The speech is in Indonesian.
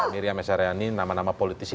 miriam syariani nama nama politisi